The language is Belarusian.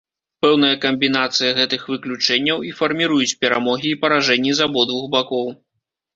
Пэўная камбінацыя гэтых выключэнняў і фарміруюць перамогі і паражэнні з абодвух бакоў.